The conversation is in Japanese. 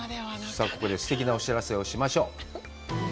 さあここですてきなお知らせをしましょう。